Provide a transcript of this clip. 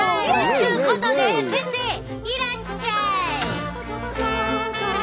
ちゅうことで先生いらっしゃい！